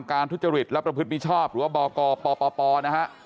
ทุจริตและประพฤติมิชอบหรือว่าบกปปนะฮะ